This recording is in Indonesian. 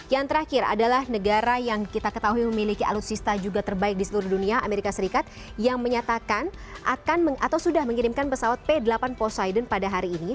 yang terakhir adalah negara yang kita ketahui memiliki alutsista juga terbaik di seluruh dunia amerika serikat yang menyatakan akan atau sudah mengirimkan pesawat p delapan posiden pada hari ini